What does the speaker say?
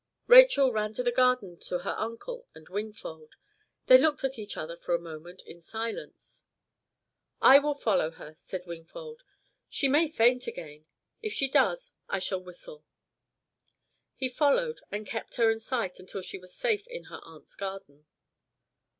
Rachel ran to the garden to her uncle and Wingfold. They looked at each other for a moment in silence. "I will follow her," said Wingfold. "She may faint again. If she does I shall whistle." He followed, and kept her in sight until she was safe in her aunt's garden.